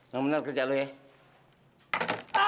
yang benar kerja lo ya